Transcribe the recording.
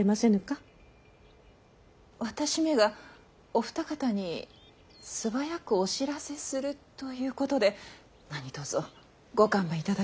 私めがお二方に素早くお知らせするということで何とぞご勘弁頂きたく。